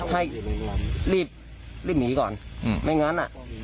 ให้รีบรีบหนีก่อนไม่งั้นอ่ะ